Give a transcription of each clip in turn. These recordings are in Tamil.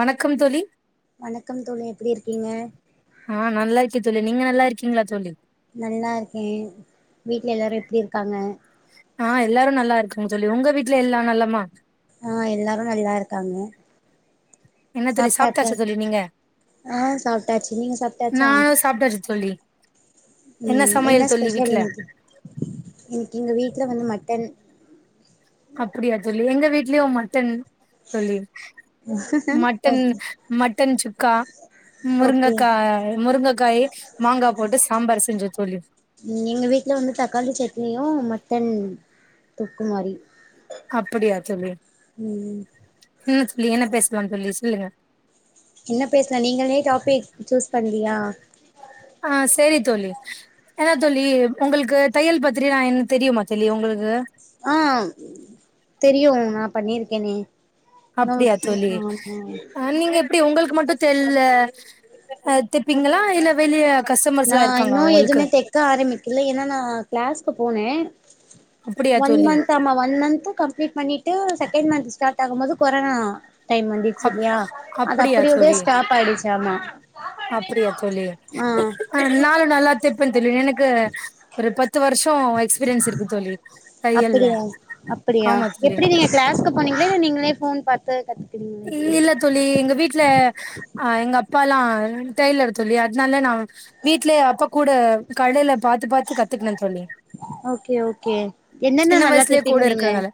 வணக்கம் தோழி வணக்கம் தோழி எப்டி இருக்கீங்க ஆ நல்லா இருக்கே தோழி நீங்க நல்லா இருக்கீங்ளா தோழி நல்லா இருக்கேன் வீட்ல எல்லாரும் எப்டி இருக்காங்க ஆ எல்லாரும் நல்லா இருக்காங்க தோழி உங்க வீட்ல எல்லா நலமா ஆஹ் எல்லாரும் நல்லா இருக்காங்க என்ன தோழி சாப்ட்டாச்சா தோழி நீங்க ஆஹ் சாப்பிட்டாச்சு நீங்க சாப்பிட்டாச்சா நானு சாப்ட்டாச்சு தோழி உம் சமையல் என்ன தோழி ஸ்பெஷல் வீட்ல இன்னைக்கு இன்னைக்கு எங்க வீட்டுல வந்து மட்டன் அப்டியா தோழி எங்க வீட்லயு மட்டன் தோழி மட்டன் ஓகே மட்டன் சுக் க்கா ஓகே முருங்கக்கா முருங்கைக்காய் மாங்கா போட்டு சாம்பார் செஞ்சோ தோழி உம் எங்க வீட்டுல வந்து தக்காளி சட்னியு மட்டன் தொக்கு மாரி அப்டியா தோழி ம் என்ன தோழி என்ன பேசலாம் தோழி சொல்லுங்க என்ன பேசலா நீங்களே டாபிக் சூஸ் பண்லியா ஆஹ் செரி தோழி ஏதா தோழி உங்களுக்கு தையல் பத்திரி நான் என்ன தெரியுமா தோழி உங்களுக்கு ஆஹ் தெரியும் நா பண்ணிருக்கேனே அப்டியா நோட் தோழி ஆமா அஹ நீங்க எப்டி உங்களுக் மட்டும் தெல்ல அ தப்பிங்களா இல்ல வெளிய கஸ்டமர்ஸ்லா நான் இருக்காங்க இன்னும் உங்களுக்கு எதுவுமே தெக்க ஆரம்பிக்கல ஏன்னா நான் கிளாஸ்க்கு போனே அப்டியா ஒன் தோழி மந்த் ஆமா ஒன் மந்த்து கம்ளீட் பண்ணி டு செகண்ட் மந்த் ஸ்டார்ட் ஆகும் போது கொரோனா டைம் வந்துடுச்சு அப் இல்லியா அது அப்டியா அப்படியோடே ஸ்டாப் ஆயிடுச்சாமா அப்படியா தோழி நாலும் நல்லா தெப்பேன் தோழி எனக்கு ஒரு பத்து வருஷோ எக்ஸ்பீரியன்ஸ் இருக்கு தோழி தையல்ல அப்படியா அப்படியா ஆமா தோழி எப்படி நீங்க கிளாஸ்கு போனீங்களா நீங்க நீங்களே ஃபோன் பாத்து கத் இல்ல தோழி எங்க வீட்டுல அஹ் எங்க அப்பால்லா டெய்லர் தோழி அதனால நா வீட்லயே அப்பா கூட கடையில பாத்து பாத்து கத்துக்ண தோழி ஓகே ஓகே என்னென்ன சின்ன நல்லா வயசுலயே கூட தெப்பீங்க நீங்க இருக்கறனால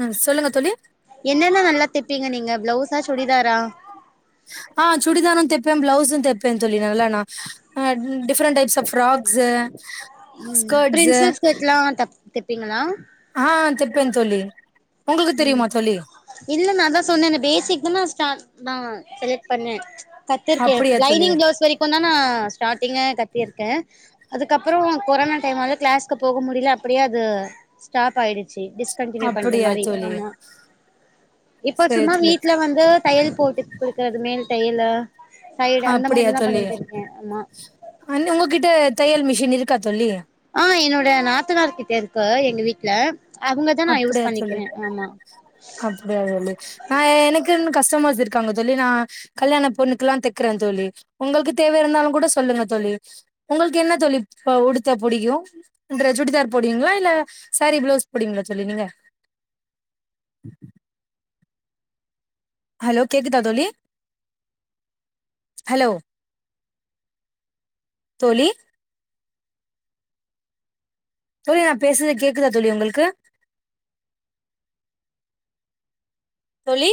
ஹ்ம் சொல்லுங்க தோழி என்னென்ன நல்லா தெப்பீங்க நீங்க பிளவுஸா சுடிதாரா ஆஹ் சுடிதாரும் தைப்பேன் பிளவுஸும் தைப்பேன் தோழி நல்லாண்ணா அ டிஃப்ரெண்ட் டைப்ஸ் ஆஃப் ஃப்ராக்ஸ்ஸு ம் பிரின்சஸ் கட்ல்லாம் தப் தப்பீங்களா ஆ தெப்பே தோழி உங்களுக்கு உம் தெரியுமா தோழி இல்ல நான் தான் சொன்னேனே பேசிக் இப்பதான் ஸ்டார்ட் நா செலக்ட் பண்ணேன் கத்துருக்கேன் அப்படியா தோழி லைனிங் ப்ளோஸ் வரைக்கும் தான் நா ஸ்டார்டிங்க கத்தியிருக்கேன் அதுக்கப்புறம் கொரோனா டைமாவ கிளாஸ்க்கு போக முடியல அப்படியே அது ஸ்டாப் ஆயிடுச் சி டிஸ்கண்டியூ பண்ற அப்படியா மாதிரி தோழி ஆமா இப்ப சரி சும்மா தோழி வீட்டுல வந்து தையல் போட்டி குடுக்கறது மேல் தையல்லு அப்படியா தோழி ஆமா அ உங்ககிட்ட தையல் மிஷின் இருக்கா தோழி ஆ என்னோட நாத்தனார்கிட்ட இருக்கு எங்க வீட்ல அவங்கதா நா யூஸ் அப்படியா தோழி பண்ணிக்கிறே ஆமா அப்படியா தோழி நா எனக்குன்னு கஷ் டமர்ஸ் இருக்காங்க தோழி நான் கல்யாண பொண்ணுக்குல்லாம் தைக்குறேன் சொல்லி உங்களுக்கு தேவ இருந்தாலும் கூட சொல்லுங்க தோழி உங்களுக்கு என்ன தோழி உடுத்த புடிக்கு என்ற சுடிதார் போடுவீங்களா இல்ல சாரீ பிளவுஸ் அபுடிங்களா சொல்லி நீங்க ஹலோ கேக்குதா தோழி ஹலோ தோழி தோழி நா பேசுறது கேக்குதா தோழி உங்களுக்கு தோழி